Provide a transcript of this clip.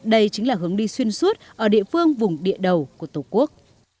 đây chính là hướng đi xuyên suốt ở địa phương vùng địa đầu của tổ quốc